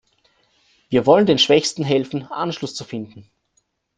Wir wollen den Schwächsten helfen, Anschluss zu finden.